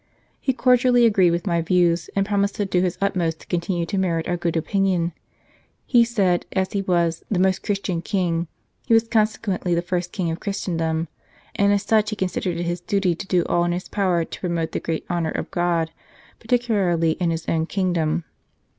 " He cordially agreed with my views, and prom ised to do his utmost to continue to merit our good opinion. He said, as he was * the Most Christian King, he was consequently the first King of Christendom, and as such he considered it his duty to do all in his power to promote the greater honour of God, particularly in his own kingdom.